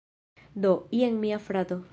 Do, jen mia frato